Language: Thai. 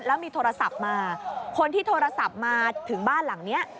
แล้วมีโทรศัพท์มาคนที่โทรศัพท์มาถึงบ้านหลังนี้